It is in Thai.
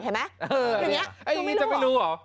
เห็นมั้ยอย่างเนี้ยไม่รู้หรอ